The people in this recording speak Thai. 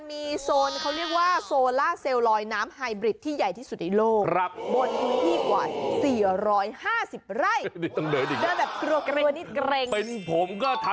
มีโซนเขาเรียกว่าโซล่าเซลล์ลอยน้ำไฮบริดที่ใหญ่ที่สุดในโลก